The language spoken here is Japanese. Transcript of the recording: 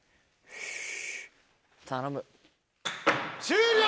頼む。